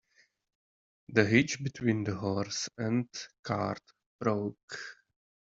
The hitch between the horse and cart broke.